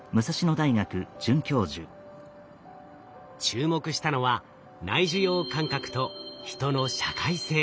注目したのは内受容感覚と人の社会性。